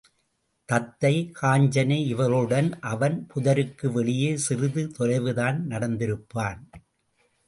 தத்தை, காஞ்சனை இவர்களுடன் அவன் புதருக்கு வெளியே சிறிது தொலைவுதான் நடந்திருப்பான்.